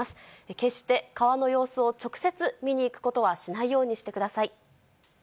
決して川の様子を直接見に行くことはしないようにしてください。